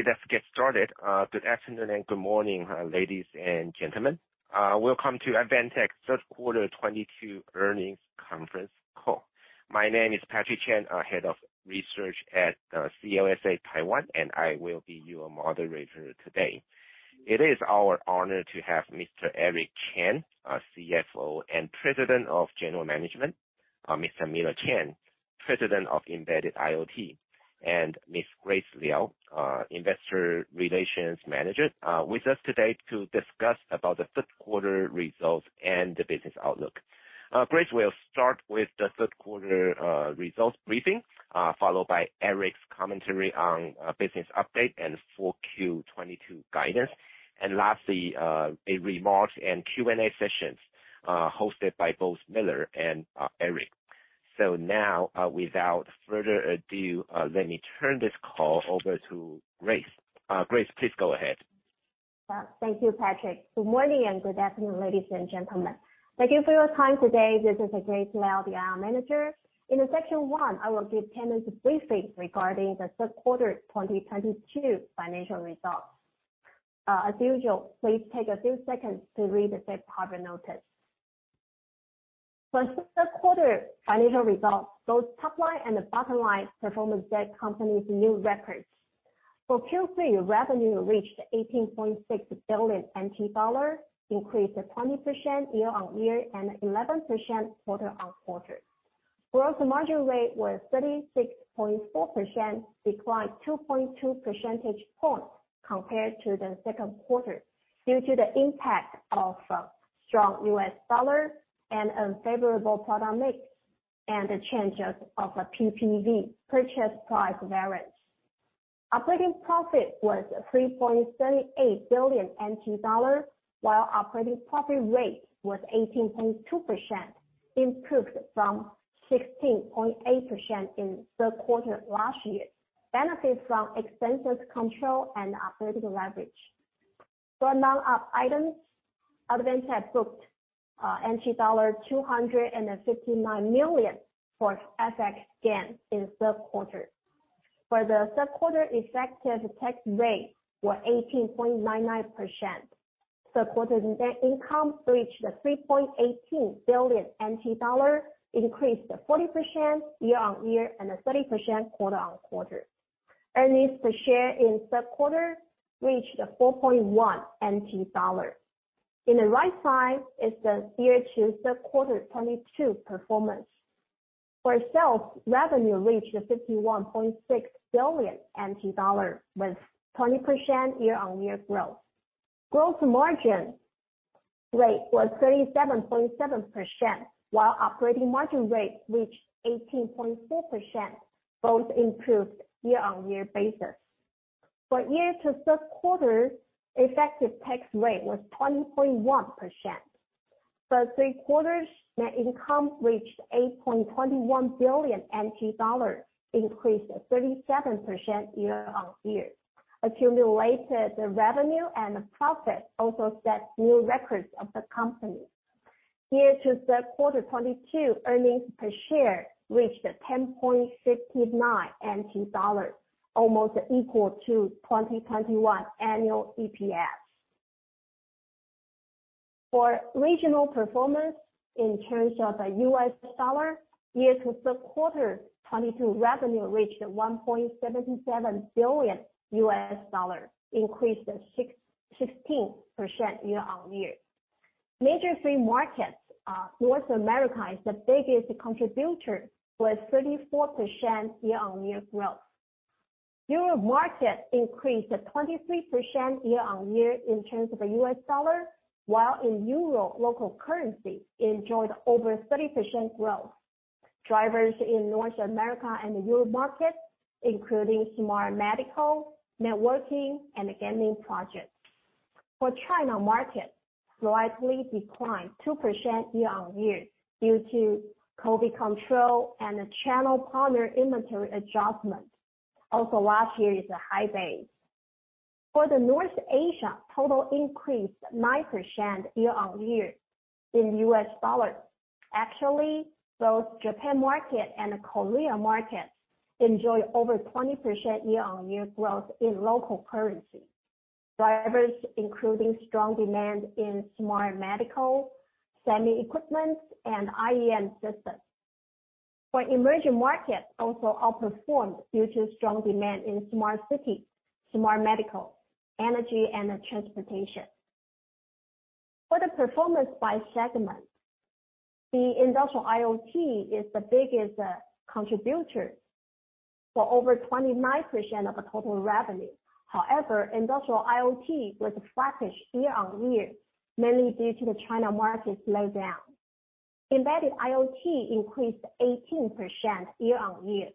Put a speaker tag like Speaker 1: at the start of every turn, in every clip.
Speaker 1: Okay, let's get started. Good afternoon and good morning, ladies and gentlemen. Welcome to Advantech's Third Quarter 2022 Earnings Conference Call. My name is Patrick Chen, our Head of Research at CLSA Taiwan, and I will be your moderator today. It is our honor to have Mr. Eric Chen, our CFO and President of General Management, Mr. Miller Chang, President of Embedded IoT, and Ms. Grace Liao, Investor Relations Manager, with us today to discuss about the third quarter results and the business outlook. Grace will start with the third quarter results briefing, followed by Eric's commentary on business update and full-year 2022 guidance. Lastly, our remarks and Q&A sessions, hosted by both Miller and Eric. Now, without further ado, let me turn this call over to Grace. Grace, please go ahead.
Speaker 2: Thank you, Patrick. Good morning and good afternoon, ladies and gentlemen. Thank you for your time today. This is Grace Liao, the IR Manager. In section one, I will give attendees a briefing regarding the third quarter's 2022 financial results. As usual, please take a few seconds to read the safe harbor notice. For third quarter financial results, both top line and the bottom line performance set company's new records. For Q3, revenue reached 18.6 billion NT dollars, increased 20% year-on-year and 11% quarter-on-quarter. Gross margin rate was 36.4%, declined 2.2 percentage points compared to the second quarter due to the impact of strong U.S. dollar and unfavorable product mix and the changes of PPV, purchase price variance. Operating profit was 3.38 billion NT dollar, while operating profit rate was 18.2%, improved from 16.8% in third quarter last year. Benefits from expenses control and operating leverage. For amount of items, Advantech booked dollar 259 million for FX gain in third quarter. For the third quarter, effective tax rate was 18.99%. Third quarter net income reached 3.18 billion NT dollar, increased 40% year-on-year and 30% quarter-on-quarter. Earnings per share in third quarter reached 4.1 NT dollars. In the right side is the year to third quarter 2022 performance. For sales, revenue reached 51.6 billion NT dollar with 20% year-on-year growth. Gross margin rate was 37.7%, while operating margin rate reached 18.4%, both improved year-on-year basis. For year to third quarter, effective tax rate was 20.1%. For three quarters, net income reached 8.21 billion NT dollars, increased 37% year-on-year. Accumulated revenue and profit also set new records of the company. Year to third quarter 2022, earnings per share reached 10.59 NT dollars, almost equal to 2021 annual EPS. For regional performance in terms of U.S. dollar, year to third quarter 2022 revenue reached $1.77 billion, increased 16% year-on-year. Major three markets, North America is the biggest contributor with 34% year-on-year growth. Europe market increased 23% year-on-year in terms of U.S. dollar, while in Euro, local currency enjoyed over 30% growth. Drivers in North America and the Europe market, including smart medical, networking, and gaming projects. For China market, slightly declined 2% year-on-year due to COVID control and the channel partner inventory adjustment. Also, last year is a high base. For the North Asia, total increased 9% year-on-year in U.S. dollars. Actually, both Japan market and Korea market enjoy over 20% year-on-year growth in local currency. Drivers including strong demand in smart medical, semi equipment, and IEM systems. For emerging markets also outperformed due to strong demand in smart cities, smart medical, energy, and transportation. For the performance by segment, the industrial IoT is the biggest contributor for over 29% of the total revenue. However, industrial IoT was flattish year-on-year, mainly due to the China market slowdown. Embedded IoT increased 18% year-on-year,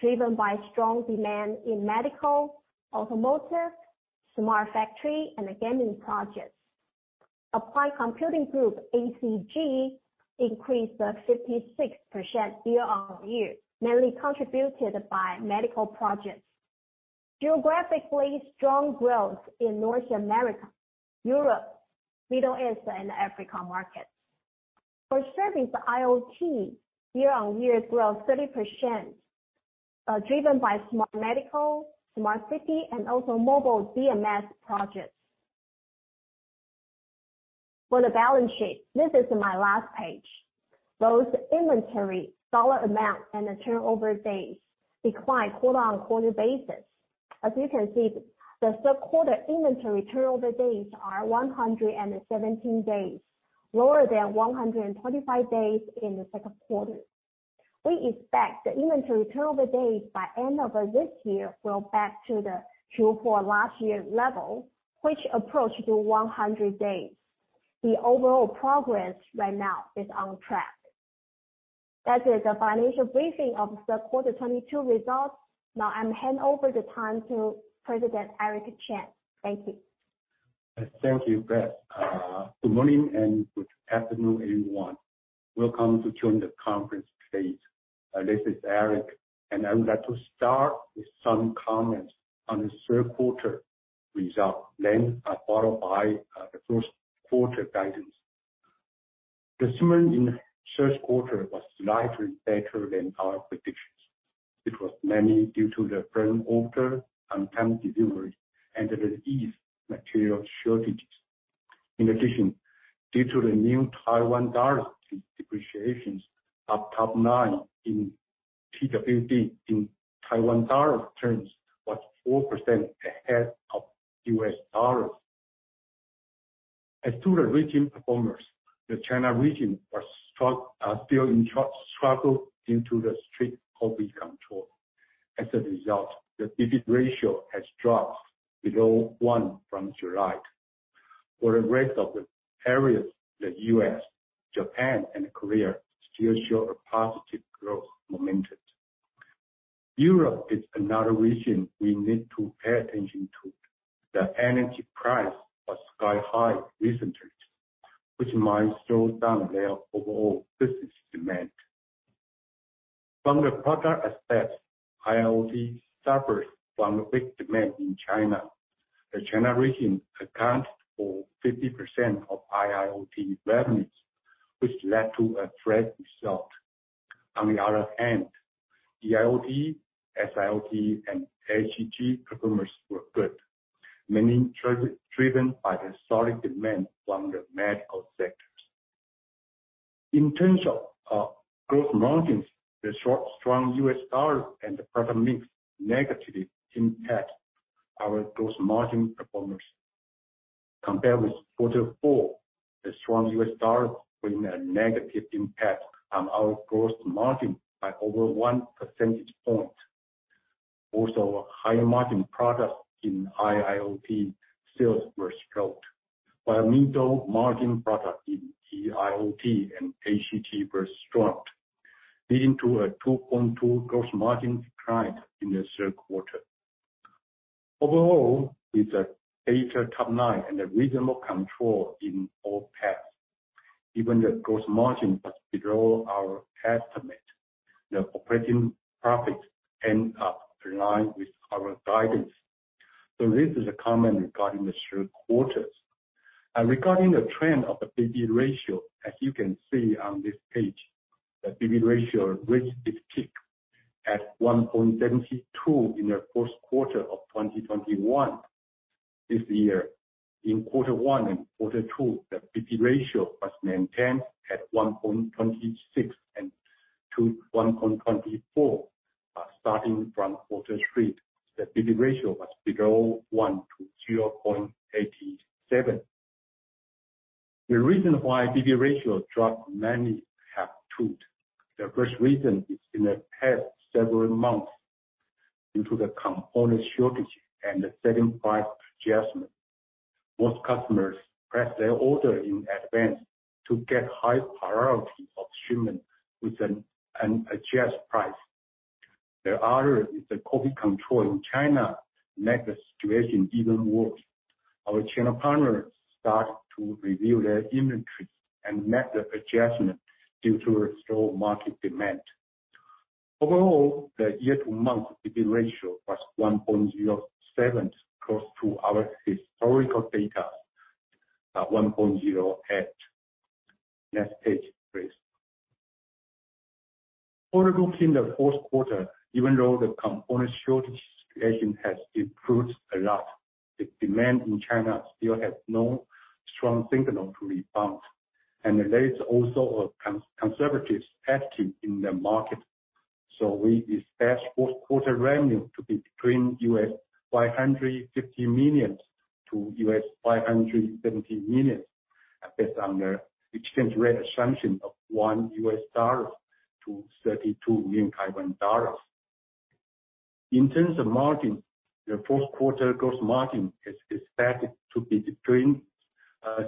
Speaker 2: driven by strong demand in medical, automotive, smart factory, and gaming projects. Applied Computing Group, ACG, increased 56% year-on-year, mainly contributed by medical projects. Geographically, strong growth in North America, Europe, Middle East, and Africa markets. For Service IoT, year-over-year grew 30%, driven by smart medical, smart city, and also mobile BMS projects. For the balance sheet, this is my last page. Both inventory dollar amount and the turnover days declined quarter-over-quarter basis. As you can see, the third quarter inventory turnover days are 117 days, lower than 125 days in the second quarter. We expect the inventory turnover days by end of this year will back to the Q4 last year's level, which approached to 100 days. The overall progress right now is on track. That is the financial briefing of the quarter 2022 results. Now I'm hand over the time to President Eric Chen. Thank you.
Speaker 3: Thank you, Grace. Good morning and good afternoon, everyone. Welcome to join the conference today. This is Eric, and I would like to start with some comments on the third quarter results, then followed by the first quarter guidance. The summary in the third quarter was slightly better than our predictions. It was mainly due to the firm order, on-time delivery, and the released material shortages. In addition, due to the New Taiwan dollar depreciation of top line in TWD in Taiwan dollar terms was 4% ahead of U.S. dollars. As to the regional performance, the China region is still struggling with the strict COVID control. As a result, the P/B ratio has dropped below one from July. For the rest of the areas, the U.S., Japan and Korea still show a positive growth momentum. Europe is another region we need to pay attention to. The energy price was sky-high recently, which might slow down their overall business demand. From the product aspects, IIoT suffers from weak demand in China. The China region accounts for 50% of IIoT revenues, which led to a flat result. On the other hand, EIoT, SIoT, and ACG performers were good, mainly driven by the solid demand from the medical sectors. In terms of gross margins, the strong U.S. dollar and the product mix negatively impact our gross margin performance. Compared with quarter four, the strong U.S. dollar bring a negative impact on our gross margin by over one percentage point. Also, higher margin products in IIoT sales were stoked, while middle margin product in EIoT and ACG were strong, leading to a 2.2% gross margin decline in the third quarter. Overall, with the data top-line and the reasonable control in all paths, even the gross margin was below our estimate, the operating profits end up in line with our guidance. This is a comment regarding the three quarters. Regarding the trend of the P/B ratio, as you can see on this page, the P/B ratio reached its peak at 1.72 in the first quarter of 2021. This year, in quarter one and quarter two, the P/B ratio was maintained at 1.26, and to 1.24. Starting from quarter three, the P/B ratio was below one to 0.87. The reason why P/B ratio dropped mainly have two. The first reason is in the past several months, due to the component shortages and the selling price adjustment, most customers place their order in advance to get high priority of shipment with an adjusted price. The other is the COVID control in China make the situation even worse. Our China partners start to review their inventory and make the adjustment due to restore market demand. Overall, the year-to-month P/B ratio was 1.07, close to our historical data at 1.08. Next page, please. Forecasting the fourth quarter, even though the component shortage situation has improved a lot, the demand in China still has no strong signal to rebound. There is also a conservative attitude in the market. We expect fourth quarter revenue to be between $550 million-$570 million, based on the exchange rate assumption of $1 to 32 dollars. In terms of margin, the fourth quarter gross margin is expected to be between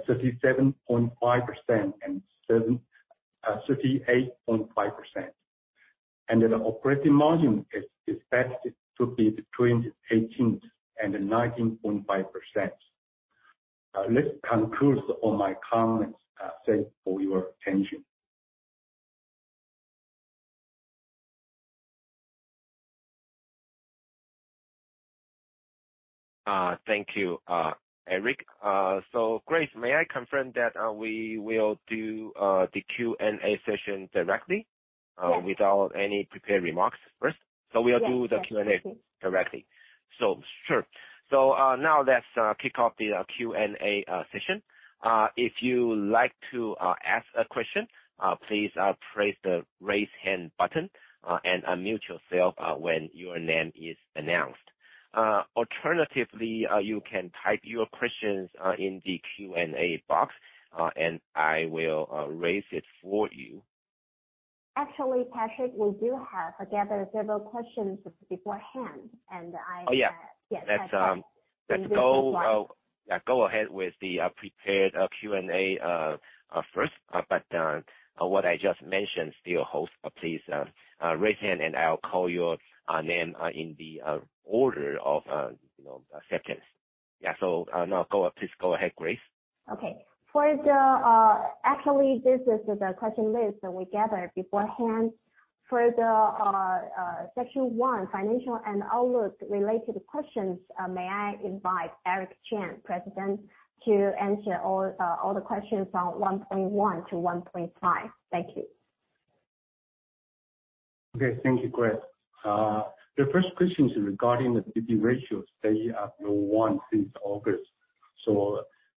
Speaker 3: 37.5% and 38.5%. The operating margin is expected to be between 18% and 19.5%. This concludes all my comments. Thank you for your attention.
Speaker 1: Thank you, Eric. Grace, may I confirm that we will do the Q&A session directly?
Speaker 2: Yes
Speaker 1: Without any prepared remarks first?
Speaker 2: Yes.
Speaker 1: We'll do the Q&A directly. Sure. Now let's kick off the Q&A session. If you like to ask a question, please press the Raise Hand button, and unmute yourself when your name is announced. Alternatively, you can type your questions in the Q&A box, and I will raise it for you.
Speaker 2: Actually, Patrick, we do have. We gathered several questions beforehand.
Speaker 1: Oh, yeah.
Speaker 2: Yes, I have.
Speaker 1: Let's, um-
Speaker 2: In this slide.
Speaker 1: Let's go, yeah, go ahead with the prepared Q&A first. What I just mentioned still holds. Please raise hand and I'll call your name in the order of, you know, acceptance. Yeah. Now go, please go ahead, Grace.
Speaker 2: Okay. For the, actually, this is the question list that we gathered beforehand. For the section one, financial and outlook related questions, may I invite Eric Chen, President, to answer all the questions from 1.1 to 1.5. Thank you.
Speaker 3: Okay. Thank you, Grace. The first question is regarding the P/B ratios, they have been one since August.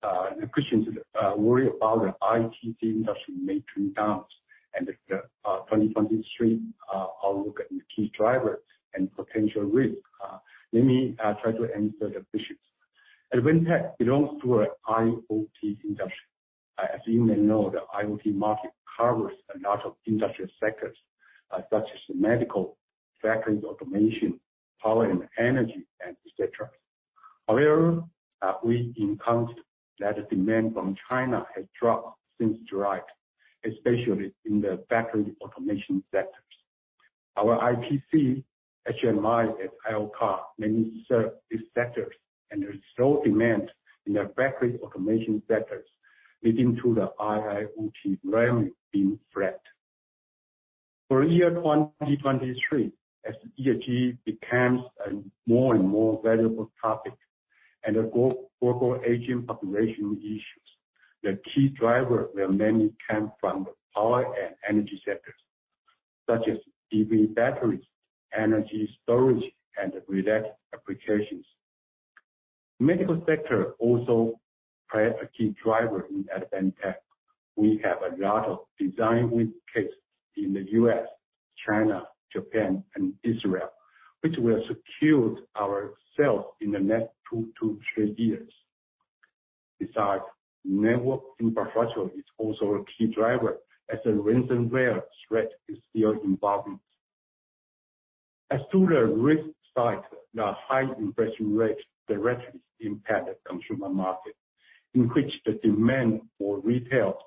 Speaker 3: The question is, worry about the IT industry may turn down and the 2023 outlook and the key drivers and potential risks. Let me try to answer the questions. At Advantech, we don't serve IoT industry. As you may know, the IoT market covers a lot of industry sectors such as medical, factory automation, power and energy, and et cetera. However, we encountered that the demand from China has dropped since July, especially in the factory automation sectors. Our IPC, HMI, and I/O card mainly serve these sectors, and there is low demand in the factory automation sectors, leading to the IIoT revenue being flat. For 2023, as ESG becomes a more and more valuable topic and the global aging population issues, the key driver will mainly come from the power and energy sectors, such as EV batteries, energy storage and related applications. Medical sector also play a key driver in Advantech. We have a lot of design win case in the U.S., China, Japan and Israel, which will secure ourselves in the next 2-3 years. Besides, network infrastructure is also a key driver as the ransomware threat is still evolving. As to the risk side, the high inflation rate directly impact the consumer market, in which the demand for retail,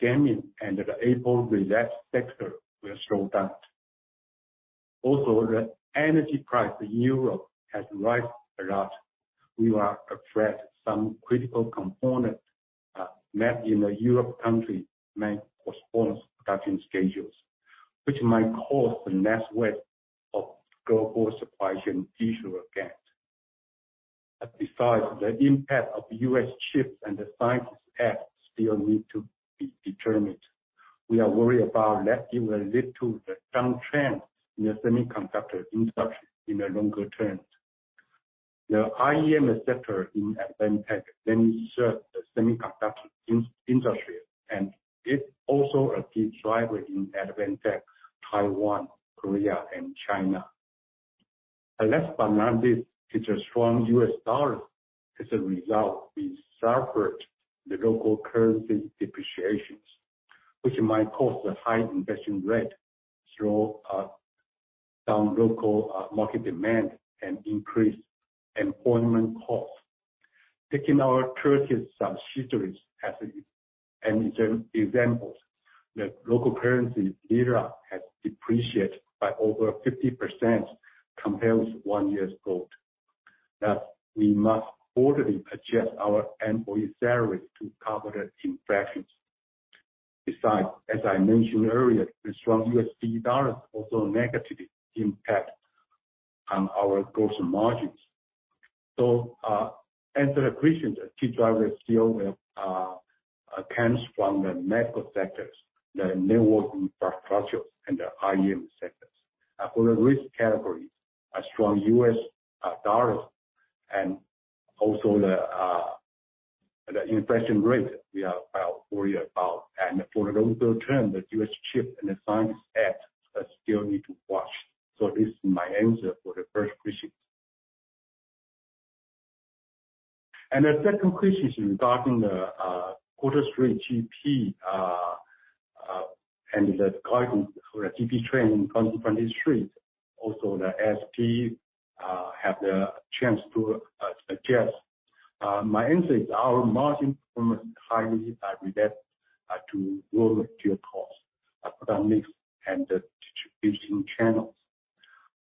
Speaker 3: gaming and the cable related sector will slow down. Also, the energy price in Europe has risen a lot. We are afraid some critical component made in a European country may postpone production schedules, which might cause the next wave of global supply chain issue again. Besides, the impact of the U.S. CHIPS and Science Act still need to be determined. We are worried that it will lead to the downtrend in the semiconductor industry in the longer term. The IEM sector in Advantech mainly serves the semiconductor industry, and it's also a key driver in Advantech Taiwan, Korea and China. Last but not least is a strong U.S. dollar. As a result, we suffered the local currency depreciations, which might cause the high inflation rates slow some local market demand and increase employment costs. Taking our Turkish subsidiaries as an example, the local currency lira has depreciated by over 50% compared with one year's quote. Thus, we must quarterly adjust our employee salaries to cover the inflations. Besides, as I mentioned earlier, the strong U.S. dollar also negatively impact on our gross margins. As the question, the key drivers still will come from the medical sectors, the network infrastructures and the IEM sectors. For the risk category, a strong U.S. dollar and also the inflation rate we are worried about. For the longer term, the CHIPS and Science Act still need to watch. This is my answer for the first question. The second question regarding the quarter three GP and the guidance for the GP trend in 2023. Also the SP have the chance to suggest. My answer is our margin performance highly relates to raw material costs, product mix, and the distribution channels.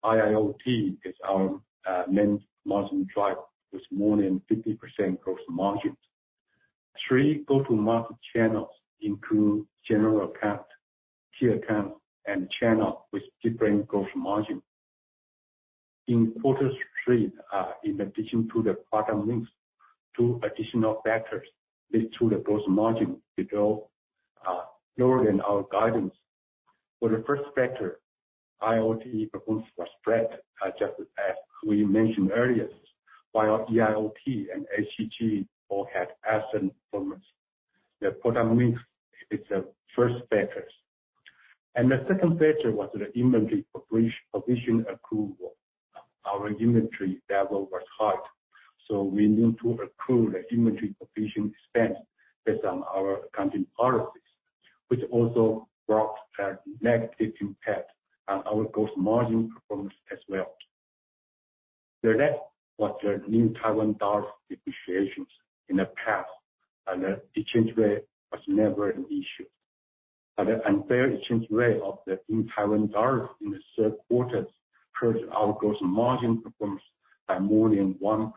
Speaker 3: IIoT is our main margin driver with more than 50% gross margins. Three go-to-market channels include general account, key account, and channel with different gross margin. In quarter three, in addition to the product mix, two additional factors lead to the gross margin to grow lower than our guidance. For the first factor, IoT performance was flat, just as we mentioned earlier, while EIoT and ACG all had excellent performance. The product mix is the first factor. The second factor was the inventory provision accrual. Our inventory level was high, so we need to accrue the inventory provision expense based on our accounting policies, which also brought a negative impact on our gross margin performance as well. The next was the New Taiwan dollar depreciation. In the past, the exchange rate was never an issue. The unfavorable exchange rate of the New Taiwan dollar in the third quarter hurt our gross margin performance by more than 1%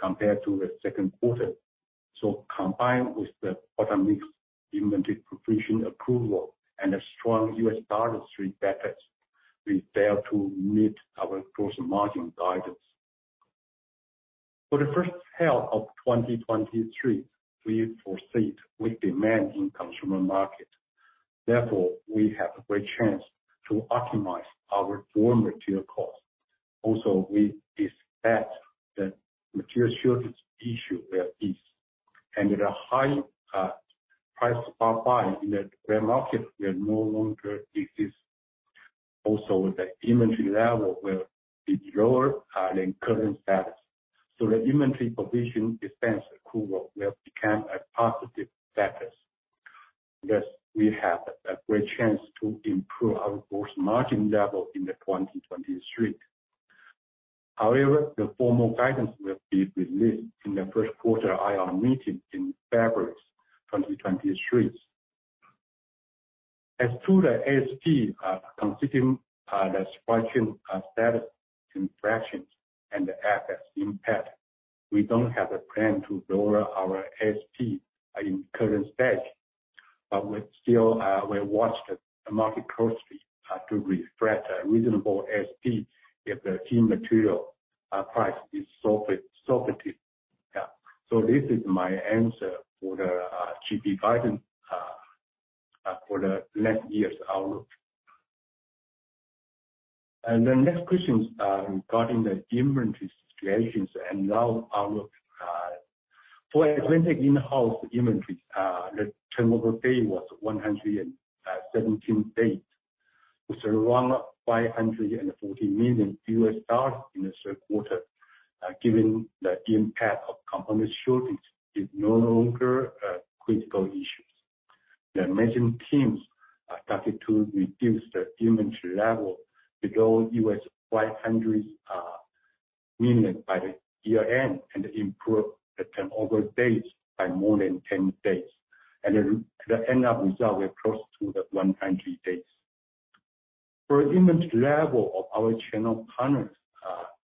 Speaker 3: compared to the second quarter. Combined with the product mix, inventory provision approval, and the strong U.S. dollar three factors, we failed to meet our gross margin guidance. For the first half of 2023, we foresee weak demand in consumer market. Therefore, we have a great chance to optimize our raw material cost. Also, we expect that material shortage issue will ease, and the high panic buying in the raw material market will no longer exist. Also, the inventory level will be lower than current status. The inventory provision expense accrual will become a positive factor. Thus, we have a great chance to improve our gross margin level in 2023. However, the formal guidance will be released in the first quarter IR meeting in February 2023. As to the ASP, considering the supply chain status, inflation, and the FX impact, we don't have a plan to lower our ASP in current stage. But we still will watch the market closely to reflect a reasonable ASP if the key material price is so favorable. So this is my answer for the GP guidance for the next year's outlook. The next question is regarding the inventory situations and now outlook. For Advantech in-house inventory, the turnover day was 117 days. We sell around $540 million in the third quarter, given the impact of component shortage is no longer a critical issue. The management teams are starting to reduce the inventory level below $500 million by the year-end and improve the turnover days by more than 10 days. The end result will be close to 100 days. For inventory level of our channel partners,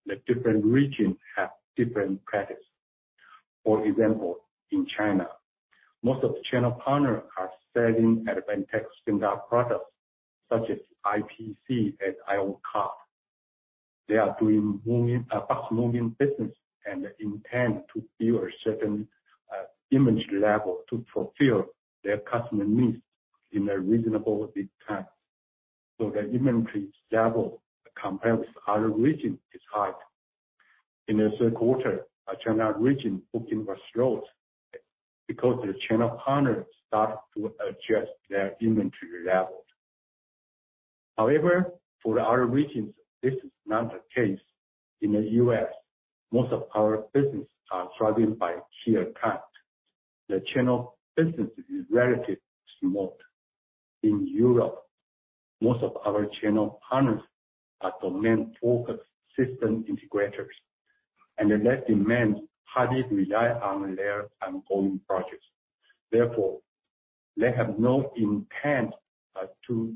Speaker 3: the different regions have different practice. For example, in China, most of the channel partners are selling Advantech standard products such as IPC and I/O card. They are doing box moving business and intend to build a certain inventory level to fulfill their customer needs in a reasonable lead time. The inventory level compared with other regions is high. In the third quarter, our China region booking was slow because the channel partners started to adjust their inventory level. However, for other regions, this is not the case. In the U.S., most of our business are driving by key account. The channel business is relatively small. In Europe, most of our channel partners are domain-focused system integrators, and their net demand highly rely on their ongoing projects. Therefore, they have no intent to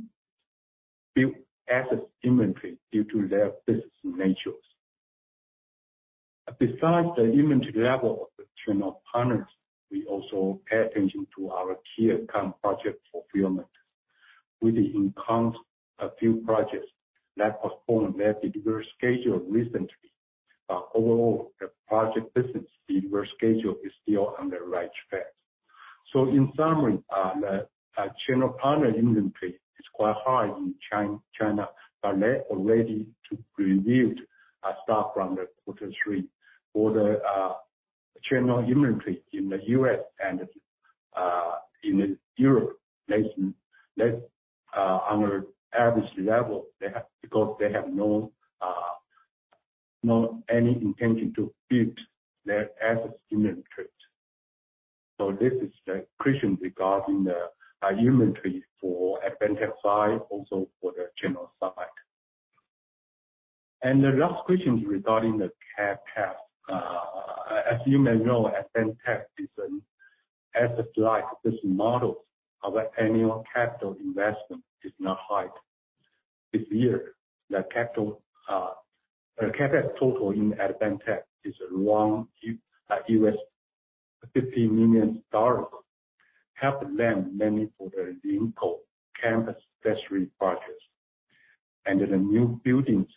Speaker 3: build excess inventory due to their business natures. Besides the inventory level of the channel partners, we also pay attention to our key account project fulfillment. We did encounter a few projects that postponed their delivery schedule recently. Overall, the project business delivery schedule is still on the right track. In summary, the channel partner inventory is quite high in China, but they are ready to reduce stock from quarter three. For the channel inventory in the U.S. and in the Europe region, they are under average level because they have no intention to build their excess inventory. This is the question regarding the inventory for Advantech side, also for the channel side. The last question is regarding the CapEx. As you may know, Advantech is an asset-light business model. Our annual capital investment is not high. This year, the CapEx total in Advantech is around $50 million, mainly for the Linkou Campus phase III project and the new buildings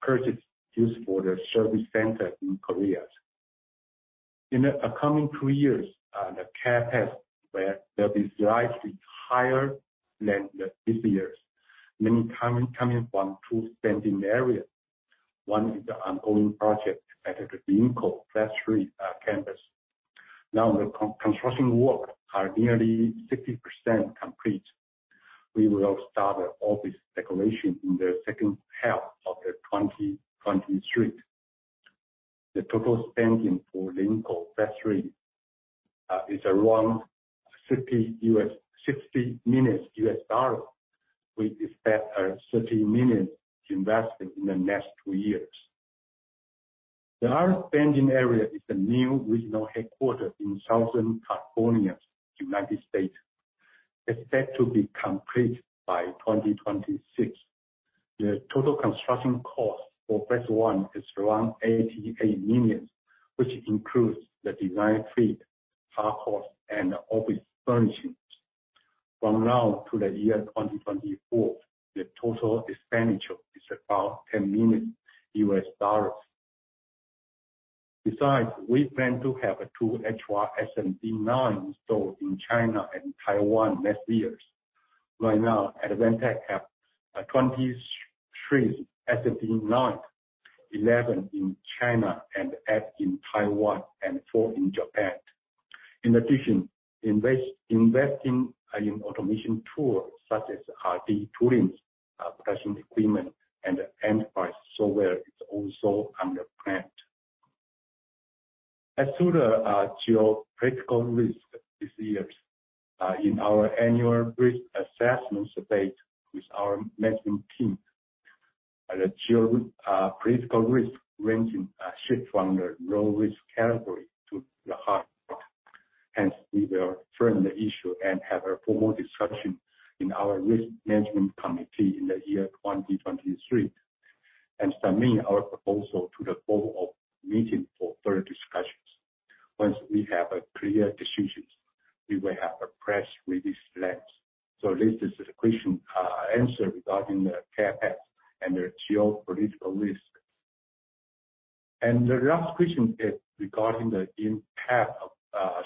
Speaker 3: purchased for the service center in Korea. In the upcoming 3 years, the CapEx will be slightly higher than this year's. Mainly coming from two spending areas. One is the ongoing project at the Linkou phase III Campus. Now the construction work is nearly 60% complete. We will start office decoration in the second half of 2023. The total spending for Linkou Phase III is around $60 million. We expect a $30 million investment in the next two years. The other spending area is the new regional headquarters in Southern California, United States. Expected to be complete by 2026. The total construction cost for phase I is around $88 million, which includes the design fee, hard cost, and office furnishings. From now to the year 2024, the total expenditure is about $10 million. Besides, we plan to have two extra SMT lines installed in China and Taiwan next year. Right now, Advantech have 23 SMT lines, 11 in China and 8 in Taiwan and 4 in Japan. In addition, investing in automation tools such as R&D tools, production equipment and enterprise software is also under planned. As to the geopolitical risk this year, in our annual risk assessment update with our management team, the geopolitical risk ranking shift from the low risk category to the high. Hence, we will turn the issue and have a formal discussion in our risk management committee in the year 2023, and submit our proposal to the board of meeting for further discussions. Once we have a clear decisions, we will have a press release. This is the question, answer regarding the CapEx and the geopolitical risk. The last question is regarding the impact of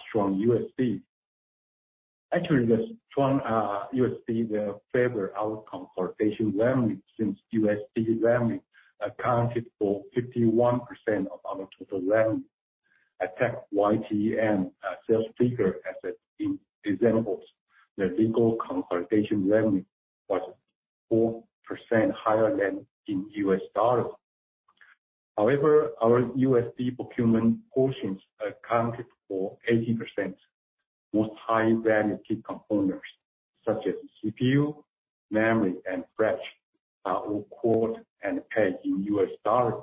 Speaker 3: strong U.S. dollar. Actually, the strong U.S. dollar will favor our consolidation revenue since U.S. dollar revenue accounted for 51% of our total revenue. I take YTD sales figure as an example. The local consolidation revenue was 4% higher than in U.S. dollar. However, our U.S. dollar procurement portion accounted for 80%. Most high-value key components such as CPU, memory, and flash are all quoted and paid in U.S. dollar.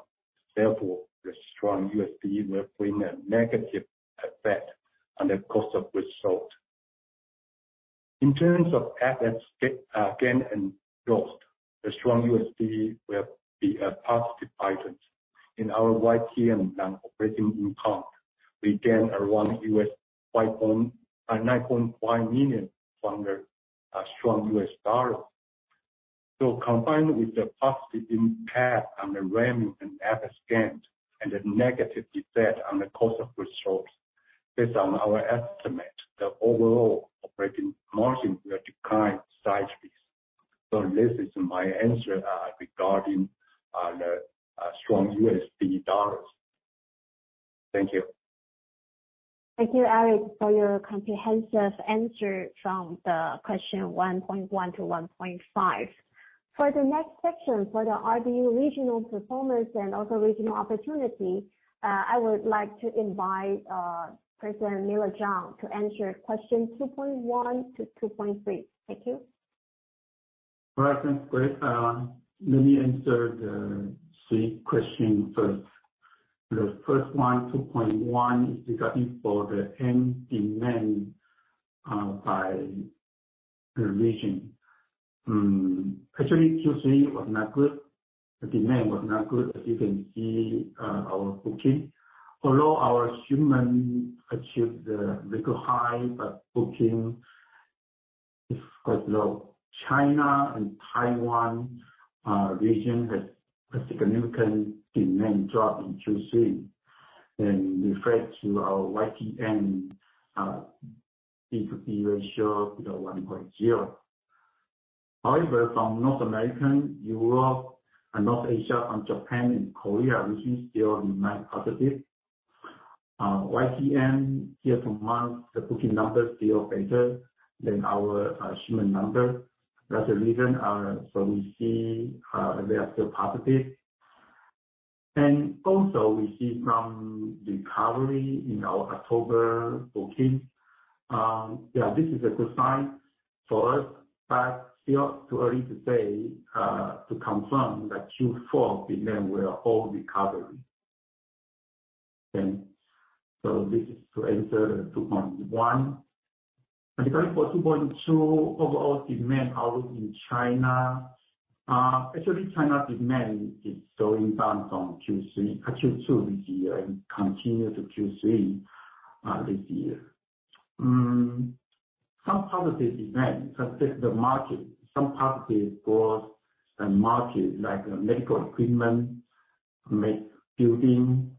Speaker 3: Therefore, the strong U.S. dollar will bring a negative effect on the cost results. In terms of FX gain and loss, the strong U.S. dollar will be a positive item. In our YTD non-operating income, we gain around $9.5 million from the strong U.S. dollar. Combined with the positive impact on the revenue and FX gains and the negative effect on the cost of goods sold, based on our estimate, the overall operating margin will decline slightly. This is my answer regarding the strong U.S. dollar. Thank you.
Speaker 2: Thank you, Eric, for your comprehensive answer from the question 1.1 to 1.5. For the next section, for the RBU regional performance and also regional opportunity, I would like to invite President Miller Chang to answer question 2.1 to 2.3. Thank you.
Speaker 4: All right, thanks, Grace. Let me answer the three questions first. The first one, 2.1, is regarding the end demand by the region. Actually, Q3 was not good. The demand was not good, as you can see, our booking. Although our shipment achieved a little high, but booking is quite low. China and Taiwan region had a significant demand drop in Q3. Refer to our YTD P/B ratio with a 1.0. However, from North America, Europe and North Asia and Japan and Korea region still remain positive. YTD year to month, the booking numbers still better than our shipment number. That's the reason, so we see they are still positive. Also we see some recovery in our October bookings. Yeah, this is a good sign for us, but still too early to say to confirm that Q4 demand will recover. This is to answer the 2.1. Regarding for 2.2, overall demand outlook in China, actually China demand is slowing down from Q2 this year and continue to Q3 this year. Some positive demand, such as the market, some positive growth and market like medical equipment, smart building,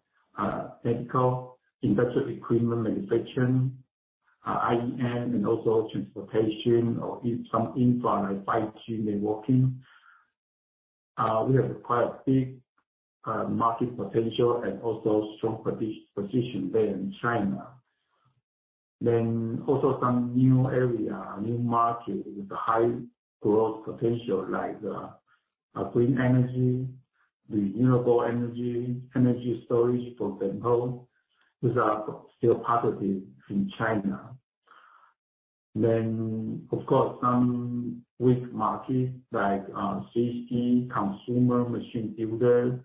Speaker 4: medical industrial equipment manufacturing, IEM and also transportation or in some infra, like 5G networking. We have quite a big market potential and also strong position there in China. Also some new area, new market with high growth potential like clean energy, renewable energy storage, for example. These are still positive in China. Of course, some weak markets like CC, consumer machine builder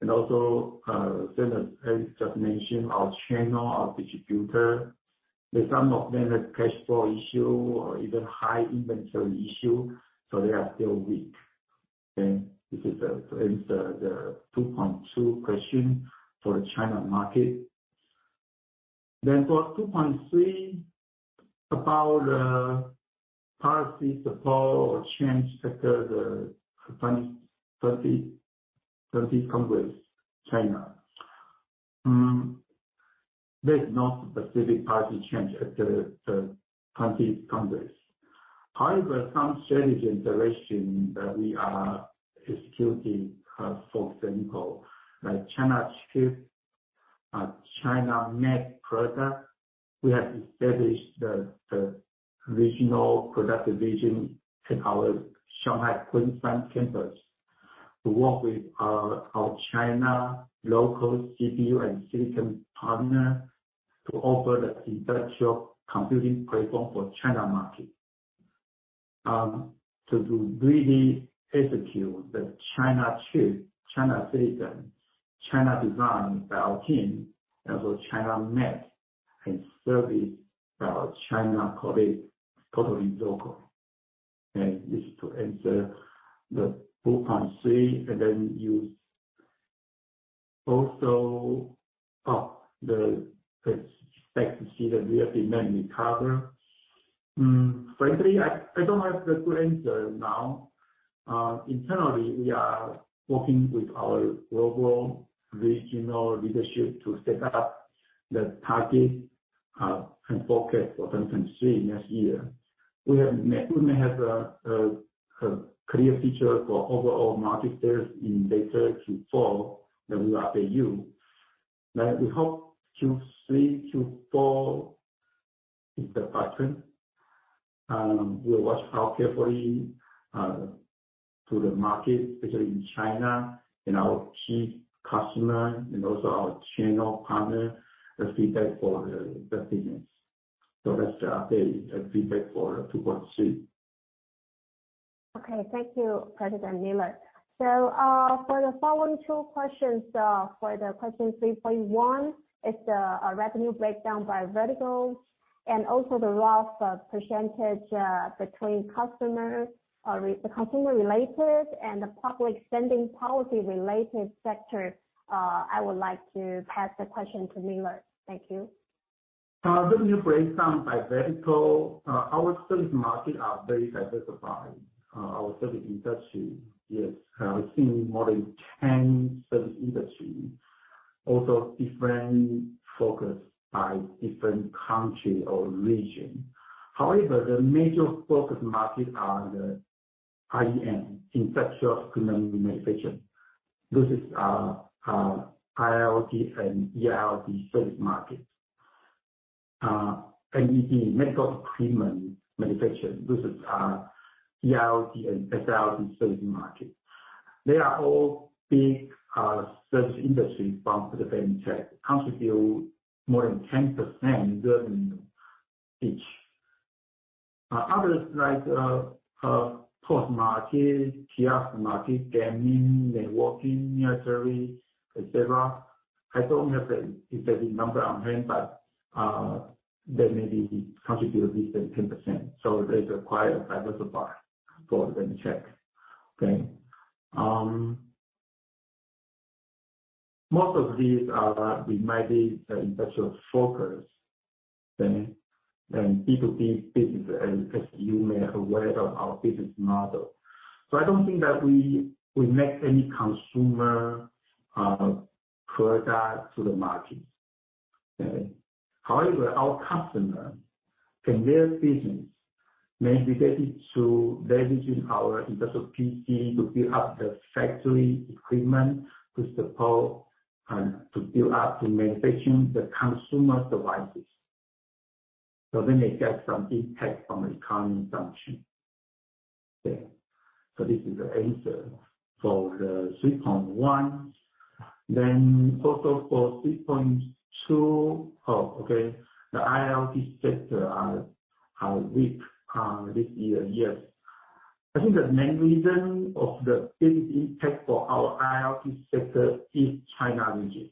Speaker 4: and also, as I just mentioned, our channel, our distributor. Some of them have cash flow issue or even high inventory issue, so they are still weak. Okay. This is to answer the 2.2 question for the China market. For 2.3, about the policy support or change after the 20th, 30th Congress, China. There's no specific policy change at the 20th Congress. However, some strategic direction that we are executing, for example, like China chip, China net product, we have established the regional product division in our Shanghai, Kunshan campus to work with our China local CPU and silicon partner to offer the industrial computing platform for China market. To really execute the China chip, China silicon, China design by our team, and so China net and service by our China colleague, totally local. This is to answer the 2.3, and then you also. The expectancy that we have demand recovery. Frankly, I don't have the good answer now. Internally, we are working with our global regional leadership to set up the target and focus for 2023 next year. We may have a clear picture for overall market sales in later Q4 that we update you. We hope Q3, Q4 is the pattern. We'll watch out carefully to the market, especially in China and our key customer and also our channel partner, the feedback for the business. That's the update and feedback for 2.3.
Speaker 2: Thank you, President Miller. For the following two questions, for the question 3.1, it's the revenue breakdown by vertical and also the rough percentage between custom or the consumer related and the public spending policy related sector. I would like to pass the question to Miller. Thank you.
Speaker 4: The revenue breakdown by vertical, our service market are very diversified. Our service industry is seeing more than 10 service industry. Also different focus by different country or region. However, the major focus market are the IEM, industrial equipment manufacturer. This is IIoT service market. MEB, medical equipment manufacturer. This is IIoT service market. They are all big service industry for Advantech contribute more than 10% revenue each. Others like POS market, Kiosk market, gaming, networking, military, et cetera. I don't have the exact number on hand, but that may be contribute at least than 10%. So there's quite a diversified for Advantech. Okay. Most of these are with mainly industrial focus, okay, and B2B business, as you may aware of our business model. I don't think that we make any consumer product to the market. Okay. However, our customer in their business may be getting to leveraging our industrial PC to build up the factory equipment to support, to build up to manufacturing the consumer devices. They may get some impact from the economy function. Okay. This is the answer for the 3.1. Also for 3.2. Okay. The IIoT sector are weak this year. Yes. I think the main reason of the business impact for our IoT sector is China region.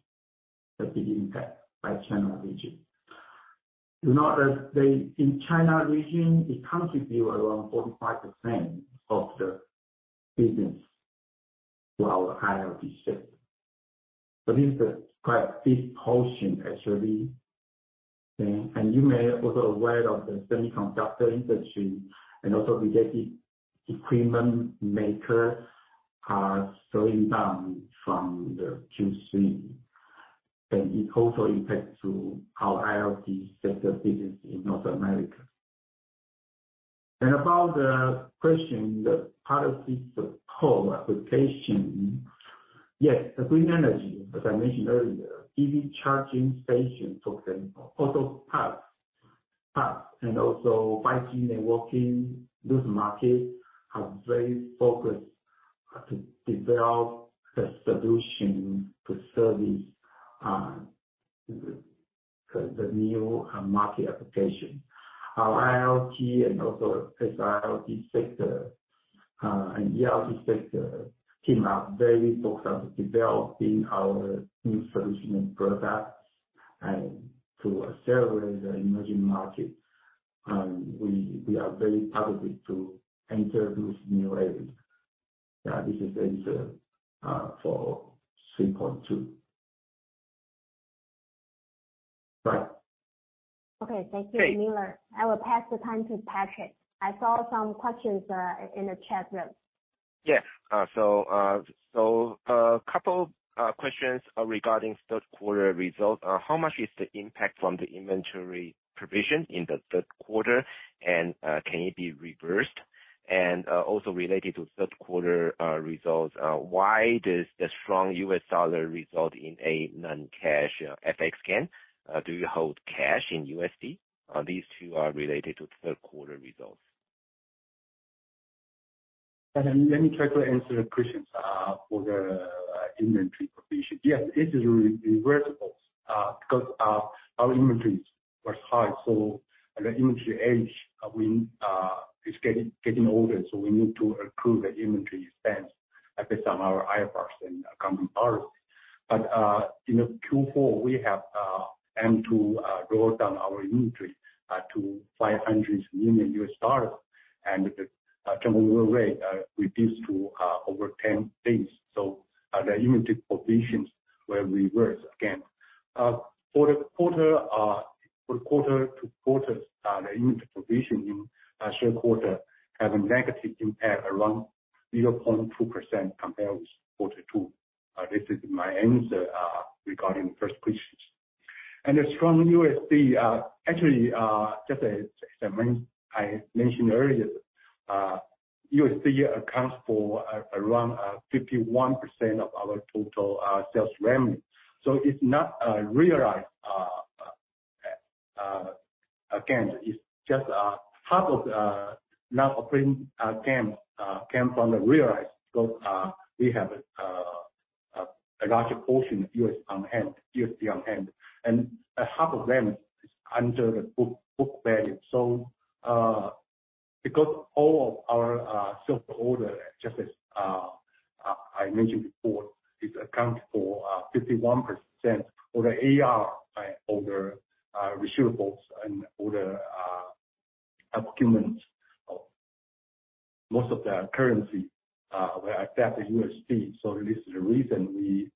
Speaker 4: The big impact by China region. Do note that they in China region it contribute around 45% of the business to our IoT sector. So this is quite a big portion actually. You may also aware of the semiconductor industry, and also we get equipment makers are slowing down from the Q3. It also impact to our IoT sector business in North America. About the question, the policy support application. Yes, the green energy, as I mentioned earlier, EV charging station, for example, also PAC and also 5G networking. Those markets are very focused to develop the solution to service the new market application. Our IoT and also SIoT sector and EIoT sector team are very focused on developing our new solution and products and to accelerate the emerging market. We are very positive to enter those new areas. Yeah, this is the answer for 3.2. Right.
Speaker 2: Okay, thank you, Miller. I will pass the time to Patrick. I saw some questions in the chat room.
Speaker 1: Yes. Couple questions regarding third quarter results. How much is the impact from the inventory provision in the third quarter? Can it be reversed? Also related to third quarter results, why does the strong U.S. dollar result in a non-cash FX gain? Do you hold cash in U.S. dollar? These two are related to third quarter results.
Speaker 3: Let me try to answer the questions for the inventory provision. Yes, it is reversible, because our inventories was high. The inventory age is getting older, so we need to accrue the inventory expense based on our IFRS and GAAP policy. In Q4, we aim to draw down our inventory to $500 million. The turnover rate reduced to over 10 days. The inventory provisions will reverse again. For the quarter, for quarter-to-quarter, the inventory provision in third quarter have a negative impact around 0.2% compared with quarter two. This is my answer regarding first questions. The strong U.S. dollar, actually, just as I mentioned earlier, U.S. dollar accounts for around 51% of our total sales revenue. It's not realized, again, it's just half of non-operating gains came from the realization because we have a larger portion of U.S. dollar on hand, and half of them is under the book value. Because all of our sales order, just as I mentioned before, it accounts for 51% of the AR and of the receivables and all the receivables are denominated in U.S. dollar. This is the reason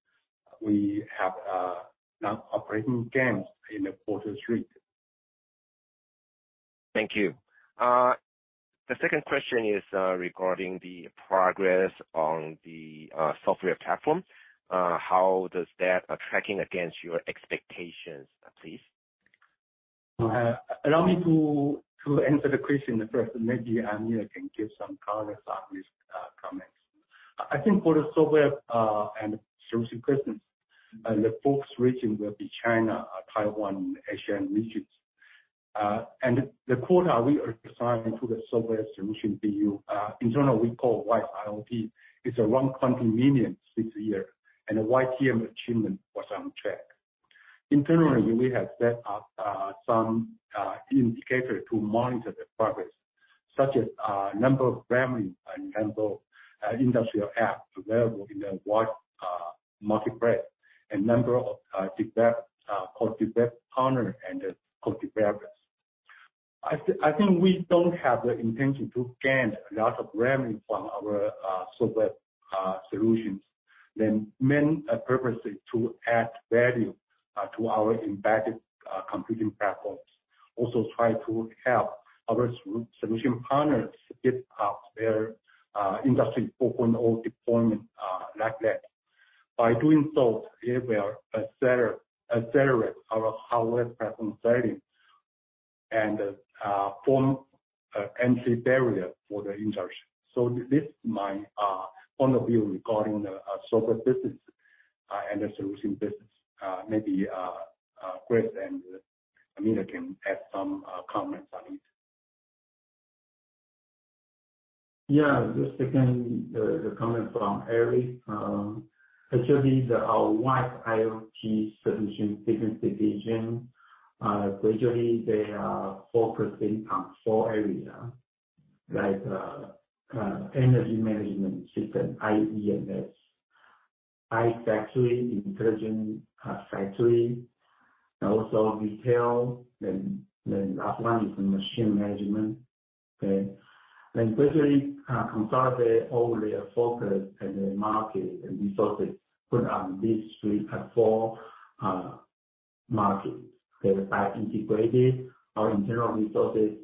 Speaker 3: we have non-operating gains in quarter three.
Speaker 1: Thank you. The second question is regarding the progress on the software platform. How does that tracking against your expectations, please?
Speaker 3: Allow me to answer the question first. Maybe Miller can give some comments on this. I think for the software and solution questions, the focus region will be China, Taiwan, Asian regions. The quota we are assigning to the software solution BU, internally we call WISE-IoT, is around 20 million this year, and the YTD achievement was on track. Internally, we have set up some indicator to monitor the progress, such as number of revenue, for example, industrial app available in the WISE-Marketplace and number of co-develop partner and the co-developers. I think we don't have the intention to gain a lot of revenue from our software solutions. The main purpose is to add value to our embedded computing platforms. Also try to help our solution partners speed up their Industry 4.0 deployment, like that. By doing so, it will accelerate our hardware platform strategy and form an entry barrier for the industry. This is my point of view regarding the software business and the solution business. Maybe Chris and Miller can add some comments on it.
Speaker 5: Yeah. Just second the comment from Eric Chen. Actually our WISE-IoT solution business division.
Speaker 4: Gradually they are focusing on four areas, like energy management system, iEMS. iFactory, intelligent factory, and also retail. The last one is machine management. Okay. Gradually consolidate all their focus in the market and resources put on these three or four markets. They are integrated our internal resources,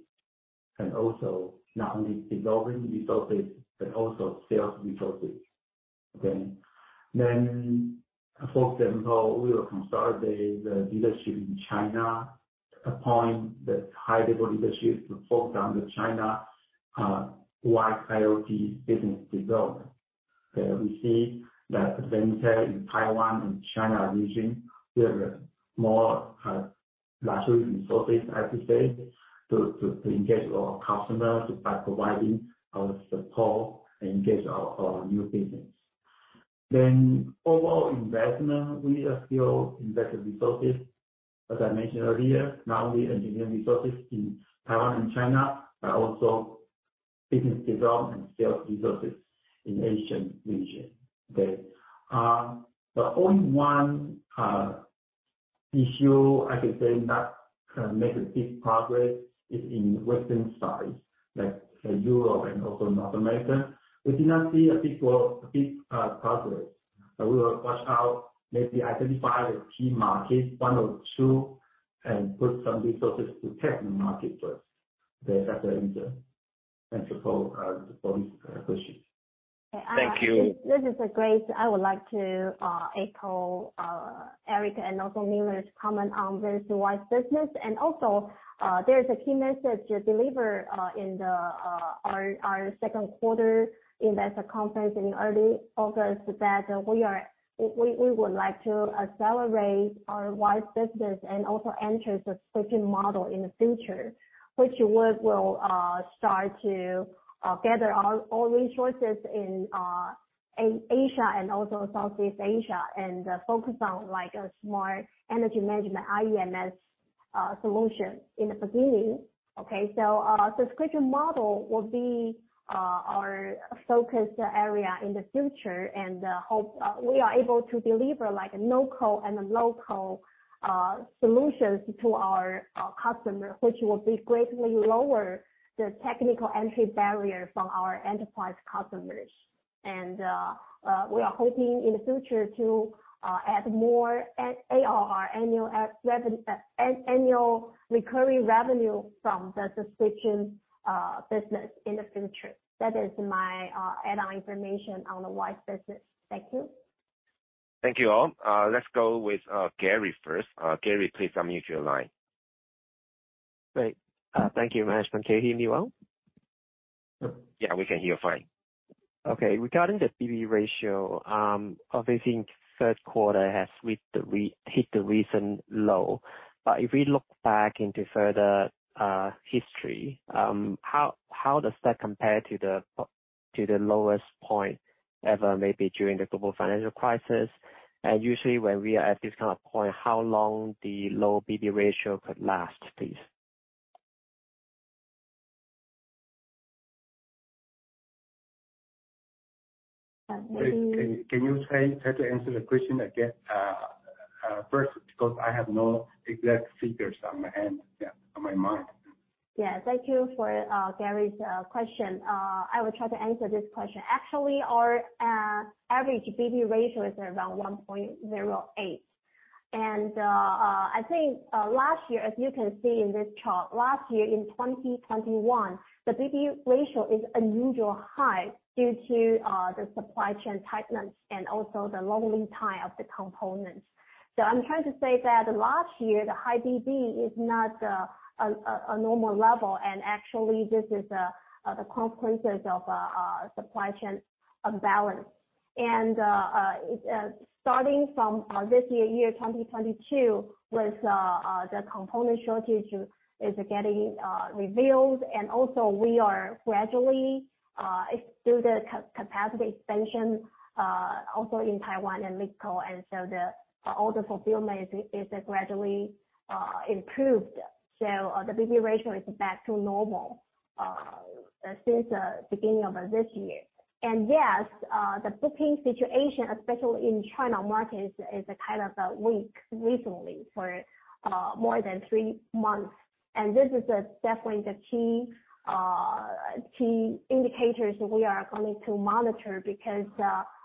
Speaker 4: and also not only developing resources but also sales resources. Okay. Fourth demo, we will consolidate the leadership in China, appoint the high-level leadership to focus on the China-wide IoT business development. Okay. We see that venture in Taiwan and China region, we have a more larger resources, I should say, to engage our customers by providing our support and engage our new business. Overall investment, we are still invested resources, as I mentioned earlier, not only engineering resources in Taiwan and China, but also business development and sales resources in Asian region. The only one issue I could say not make a big progress is in western side, like, say Europe and also North America. We did not see a big progress. We will watch out, maybe identify the key markets, one or two, and put some resources to test the market first. That's the answer. Thanks for this question.
Speaker 1: Thank you.
Speaker 2: This is Grace. I would like to echo Eric and also Miller's comment on the WISE business. There's a key message to deliver in our second quarter investor conference in early August that we would like to accelerate our WISE business and also enter the subscription model in the future, which would start to gather our own resources in Asia and also Southeast Asia and focus on, like, a smart energy management iEMS solution in the beginning. Subscription model will be our focus area in the future and hope we are able to deliver, like, local solutions to our customer, which will be greatly lower the technical entry barrier for our enterprise customers. We are hoping in the future to add more ARR, annual recurring revenue from the subscription business in the future. That is my add-on information on the WISE business. Thank you.
Speaker 1: Thank you, all. Let's go with Gary first. Gary, please unmute your line.
Speaker 6: Great. Thank you very much. Can you hear me well?
Speaker 1: Yeah, we can hear fine.
Speaker 6: Okay. Regarding the P/B ratio, obviously in third quarter has hit the recent low. But if we look back further into history, how does that compare to the lowest point ever, maybe during the global financial crisis? Usually when we are at this kind of point, how long the low P/B ratio could last, please?
Speaker 2: Thank you.
Speaker 4: Can you try to answer the question again, first, because I have no exact figures on hand, yeah, on my mind.
Speaker 2: Yeah. Thank you for Gary's question. I will try to answer this question. Actually, our average P/B ratio is around 1.08. I think last year, as you can see in this chart, last year in 2021, the P/B ratio is unusually high due to the supply chain tightness and also the long lead time of the components. I'm trying to say that last year, the high P/B is not a normal level, and actually this is the consequences of supply chain imbalance. It's starting from this year 2022, with the component shortage is getting relieved. Also we are gradually through the capacity expansion also in Taiwan and Mexico, and so the order fulfillment is gradually improved. The P/B ratio is back to normal since the beginning of this year. Yes, the booking situation, especially in China markets, is kind of weak recently for more than three months. This is definitely the key indicators we are going to monitor because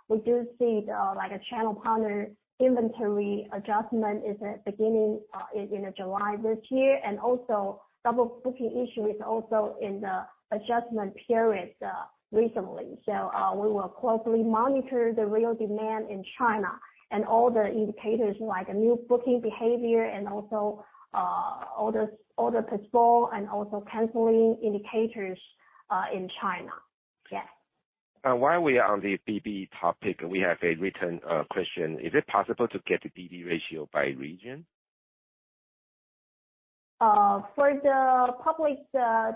Speaker 2: we do see the, like a channel partner inventory adjustment is beginning in July this year. Also double booking issue is also in the adjustment period recently. We will closely monitor the real demand in China and all the indicators like new booking behavior and also order postpone and also canceling indicators in China. Yes.
Speaker 1: While we are on the P/B topic, we have a written question. Is it possible to get the P/B ratio by region?
Speaker 2: For the public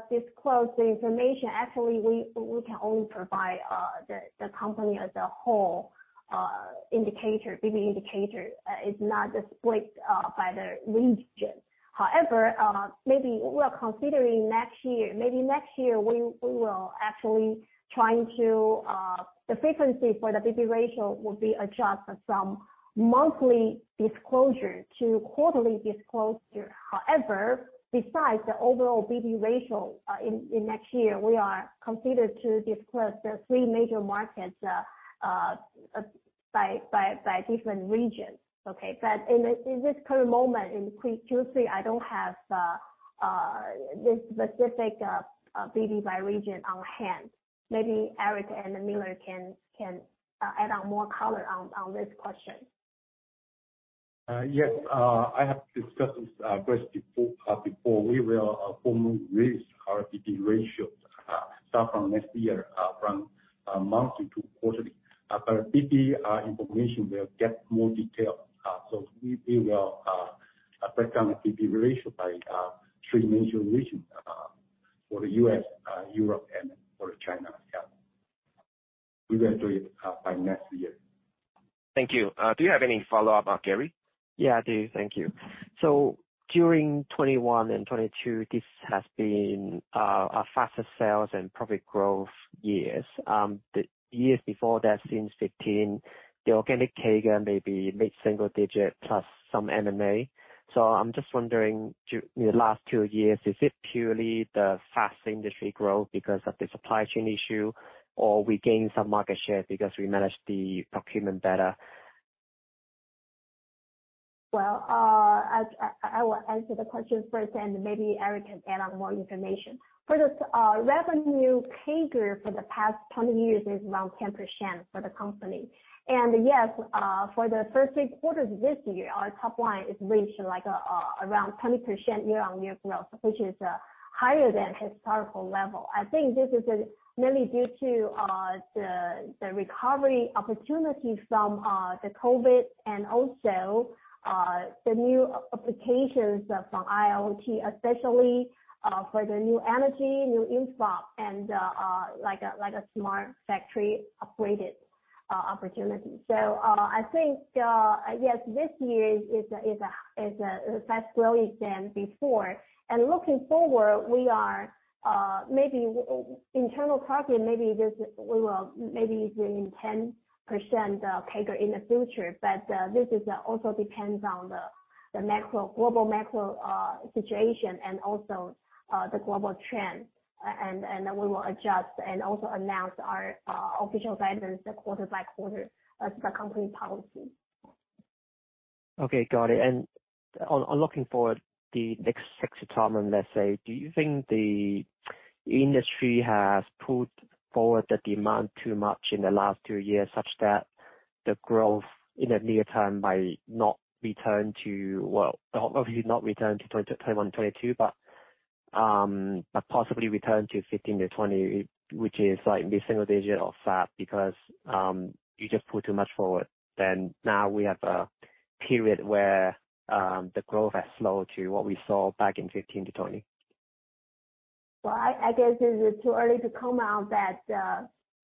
Speaker 2: disclose the information, actually, we can only provide the company as a whole P/B ratio. It's not just split by the region. However, maybe we are considering next year. Maybe next year, we will actually trying to. The frequency for the P/B ratio will be adjusted from monthly disclosure to quarterly disclosure. However, besides the overall P/B ratio, in next year, we are considered to disclose the three major markets by different regions. Okay? But in this current moment, in Q3, I don't have the specific P/B by region on hand. Maybe Eric and Miller can add on more color on this question.
Speaker 3: Yes, I have discussed this question before. We will formally raise our P/B ratio, start from next year, from monthly to quarterly. Our P/B information will get more detailed. We will break down the P/B ratio by three major regions, for the U.S., Europe and for China. We will do it by next year.
Speaker 1: Thank you. Do you have any follow-up, Gary?
Speaker 6: Yeah, I do. Thank you. During 2021 and 2022, this has been our fastest sales and profit growth years. The years before that, since 2015, the organic CAGR may be mid-single digit plus some M&A. I'm just wondering, during the last two years, is it purely the fast industry growth because of the supply chain issue, or we gained some market share because we managed the procurement better?
Speaker 2: Well, I will answer the question first, and maybe Eric can add on more information. For this, revenue CAGR for the past 20 years is around 10% for the company. Yes, for the first 8 quarters this year, our top line is reached like around 20% year-on-year growth, which is higher than historical level. I think this is mainly due to the recovery opportunity from the COVID and also the new applications from IoT, especially for the new energy, new infra and like a smart factory upgraded opportunity. I think yes, this year is a fast growing than before. Looking forward, we are maybe internal profit, maybe this, we will maybe be in 10% CAGR in the future. This also depends on the global macro situation and also the global trend. We will adjust and also announce our official guidance quarter by quarter as the company policy.
Speaker 6: Okay, got it. On looking forward the next six allotment, let's say, do you think the industry has pulled forward the demand too much in the last two years, such that the growth in the near term might not return to. Well, obviously not return to 2021, 2022, but possibly return to 2015-2020, which is like mid-single digit or so, because you just pull too much forward, then now we have a period where the growth has slowed to what we saw back in 2015-2020.
Speaker 2: Well, I guess it's too early to comment on that.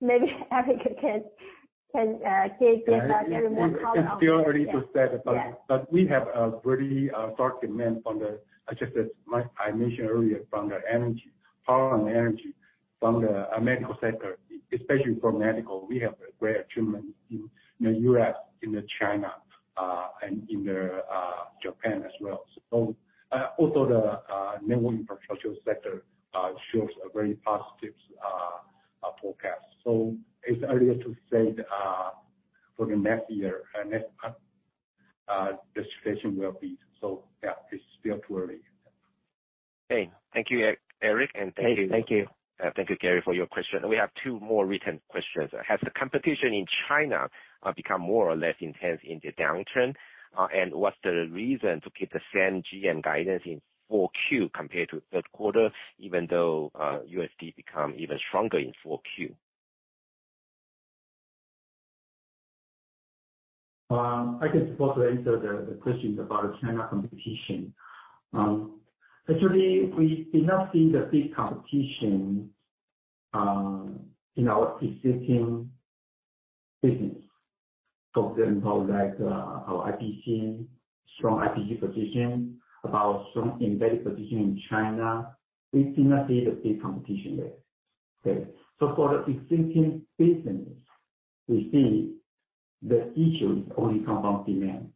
Speaker 2: Maybe Eric can give everyone more color on that.
Speaker 3: It's too early to say.
Speaker 2: Yeah.
Speaker 3: We have a very strong demand from the energy and power, from the medical sector, especially from medical. Just as I mentioned earlier, we have a great demand in the U.S., in China, and in Japan as well. Also, the network infrastructure sector shows a very positive forecast. It's too early to say for next year what the situation will be. Yeah, it's still too early.
Speaker 1: Okay. Thank you, Eric, and thank you.
Speaker 6: Hey, thank you.
Speaker 1: Thank you, Gary, for your question. We have two more written questions. Has the competition in China become more or less intense in the downturn? What's the reason to keep the same GM guidance in 4Q compared to third quarter, even though the U.S. dollar become even stronger in 4Q?
Speaker 4: I can also answer the questions about China competition. Actually, we did not see the big competition in our existing business. For example, like, our IPC team, strong IPC position, about strong embedded position in China, we did not see the big competition there. Okay? For the existing business, we see the issue is only compound demand.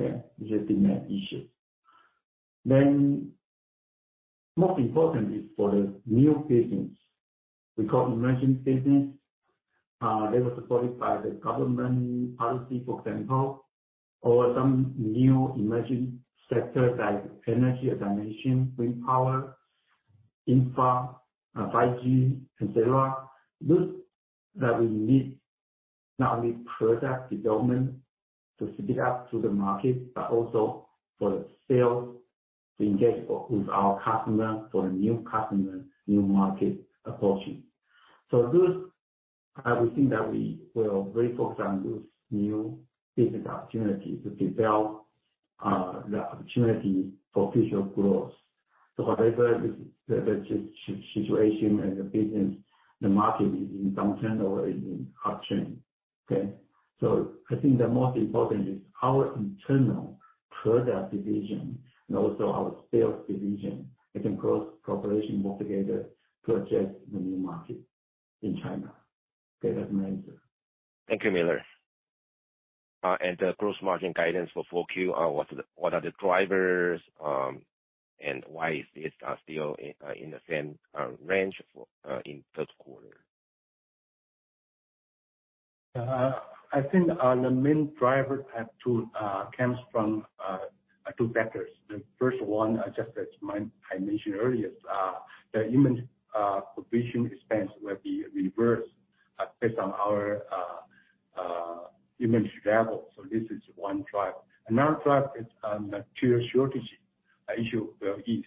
Speaker 4: Okay? It's a demand issue. Most important is for the new business. We call emerging business, they were supported by the government policy, for example, or some new emerging sector like energy, as I mentioned, wind power, infra, 5G, et cetera. Those that we need not only product development to speed up to the market, but also for the sales to engage with our customer, for the new customer, new market approaching. I would think that we will refocus on those new business opportunities to develop the opportunity for future growth. Whatever the situation and the business, the market is in downturn or in upturn. Okay? I think the most important is our internal product division and also our sales division. It can cross cooperation more together to adjust the new market in China. Okay, that's my answer.
Speaker 1: Thank you, Miller. The gross margin guidance for 4Q, what are the drivers, and why is it still in the same range as in third quarter?
Speaker 3: I think the main driver comes from two factors. The first one, just as I mentioned earlier, the human provision expense will be reversed based on our human travel. This is one driver. Another driver is the material shortage issue will ease.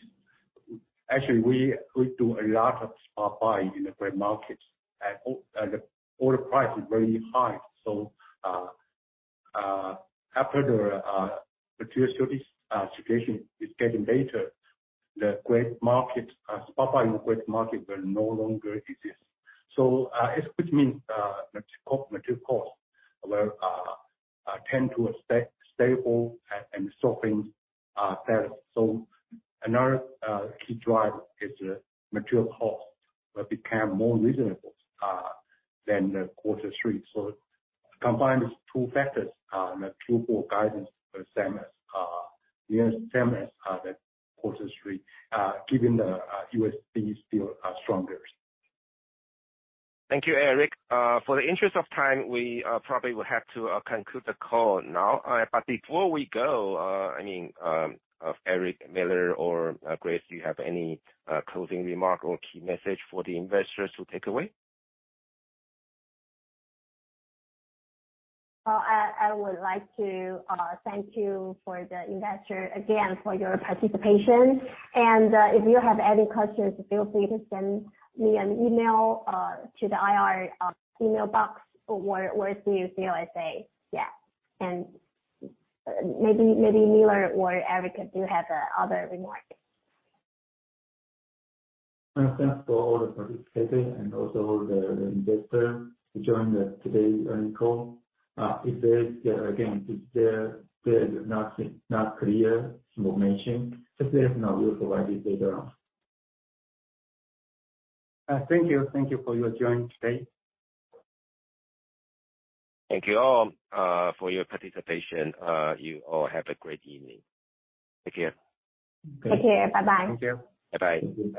Speaker 3: Actually, we do a lot of spot buy in the gray markets, and all the prices are very high. After the material shortage situation is getting better, the gray market spot buy in gray market will no longer exist. It could mean material cost will tend to a stable and slowing pattern. Another key driver is the material cost will become more reasonable than the quarter three. Combined with two factors, maintain guidance nearly the same as quarter three, given the U.S. dollar still stronger.
Speaker 1: Thank you, Eric. For the interest of time, we probably will have to conclude the call now. But before we go, I mean, Eric, Miller or Grace, do you have any closing remark or key message for the investors to take away?
Speaker 2: Well, I would like to thank you for the investors again, for your participation. If you have any questions, feel free to send me an email to the IR email box or CLSA. Maybe Miller or Eric do have another remark.
Speaker 3: Thanks for all the participants and also the investors to join today's earnings call. If there is still unclear information, we will provide it later on. Thank you for your joining today.
Speaker 1: Thank you all, for your participation. You all have a great evening. Take care.
Speaker 2: Take care. Bye-bye.
Speaker 3: Thank you.
Speaker 1: Bye-bye.